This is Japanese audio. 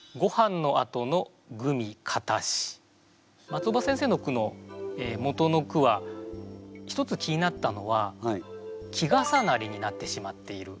松尾葉先生の句の元の句は一つ気になったのは季重なりになってしまっている。